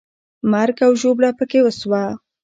مرګ او ژوبله پکې وسوه.